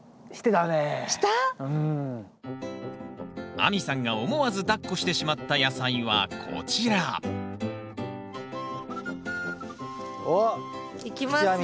亜美さんが思わずだっこしてしまった野菜はこちらおっ菊地亜美